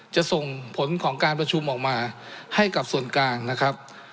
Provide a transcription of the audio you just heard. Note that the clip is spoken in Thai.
จะส่งผลของการประชุมออกมาให้กับส่วนกลางนะครับ